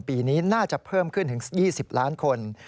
ปีนี้น่าจะเพิ่มขึ้นถึง๒๐ล้านคน